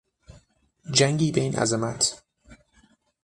جنگی به این عظمت